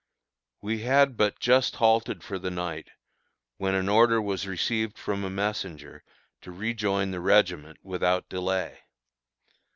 We had but just halted for the night, when an order was received from a messenger, to rejoin the regiment without delay.